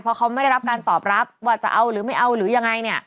เพราะเขาไม่ได้รับการตอบรับว่าจะเอาหรือไม่เอาหรือยังไงเนี่ย